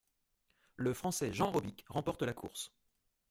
Le français Jean Robic remporte la course.